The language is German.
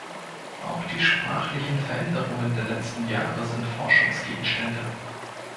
Auch die sprachlichen Veränderungen der letzten Jahre sind Forschungsgegenstände.